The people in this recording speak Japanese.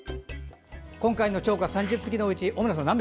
今回の釣果３０匹のうち小村さん